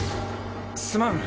すまん。